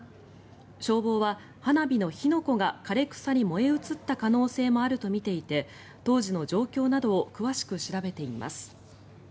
消防は花火の火の粉が枯れ草に燃え移った可能性があるとみて当時の状況などを詳しく調べています。